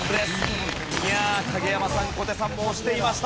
いや影山さん小手さんも押していました。